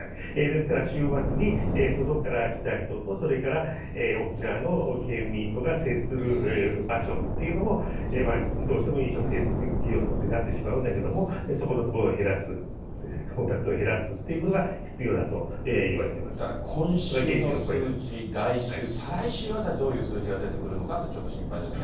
ですから週末に外から来た人と、それから沖縄の県民と接する場所というのが、どうしても飲食店ということになってしまうんだけれども、そこのところを減らす、コンタクトを減らすということが必だから今週の数字、来週、再来週あたり、どういう数字が出てくるのかっていうのがちょっと心配ですね。